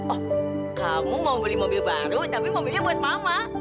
oh kamu mau beli mobil baru tapi mobilnya buat mama